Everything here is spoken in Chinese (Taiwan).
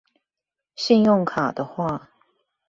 信用卡的話